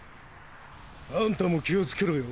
あんたも気を付けろよ。